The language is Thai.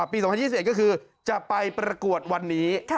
ปี๒๐๒๑ก็คือจะไปประกวดวันนี้